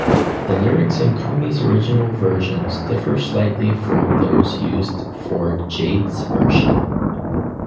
The lyrics in Kumi's original versions differ slightly from those used for Jade's version.